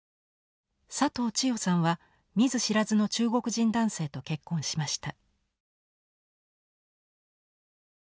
佐藤千代さんは見ず知らずの中国人男性と結婚しました。